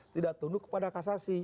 tidak tunduk kepada kasasi